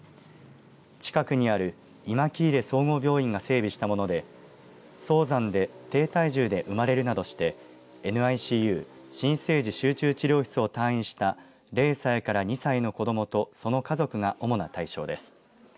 近くにあるいまきいれ総合病院が整備したもので早産で低体重で生まれるなどしてＮＩＣＵ、新生児集中治療室を退院した０歳から２歳の子どもとその家族が主な対象です。